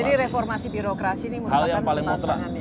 jadi reformasi birokrasi ini merupakan pertanyaan yang paling mutlak